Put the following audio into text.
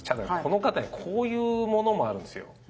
こういうものもあるんですよ。